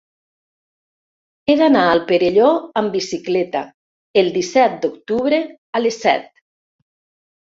He d'anar al Perelló amb bicicleta el disset d'octubre a les set.